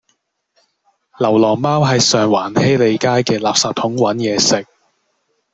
流浪貓喺上環禧利街嘅垃圾桶搵野食